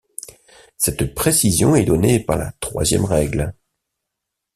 Cette précision est donnée par la troisième règle.